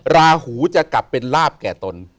ราหูจะกลับเป็นลาบแก่ตน